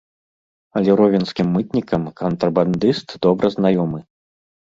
Але ровенскім мытнікам кантрабандыст добра знаёмы.